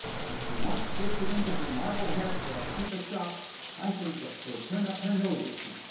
If she once gets it into her marble head that I keep a shop, I think that she'll turn up her nose at me.